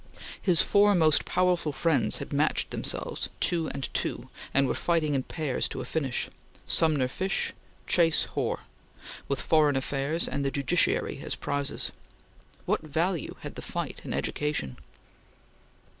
His four most powerful friends had matched themselves, two and two, and were fighting in pairs to a finish; Sumner Fish; Chase Hoar; with foreign affairs and the judiciary as prizes! What value had the fight in education?